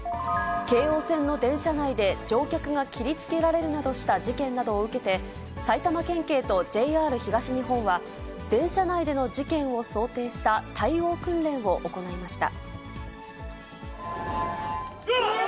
京王線の電車内で、乗客が切りつけられるなどした事件などを受けて、埼玉県警とＪＲ東日本は、電車内での事件を想定した対応訓練を行いました。